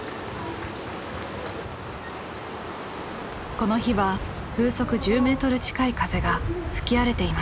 この日は風速１０メートル近い風が吹き荒れていました。